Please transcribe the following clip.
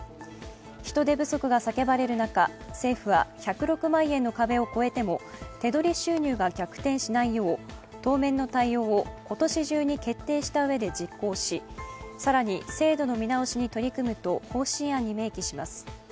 人手不足が叫ばれる中、政府は１０６万円の壁を越えても手取り収入が逆転しないよう当面の対応を今年中に決定したうえで実行し更に制度の見直しに取り組むと方針案に明記します。